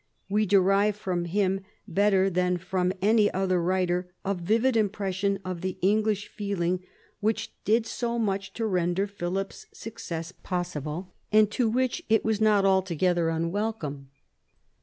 We derive from him better than from any other writer a vivid impression of the English feeling which did so much to render Philip's success possible, and to which it was not altogether unwelcome.